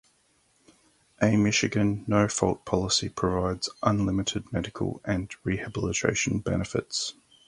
A Michigan no-fault policy provides unlimited medical and rehabilitation benefits.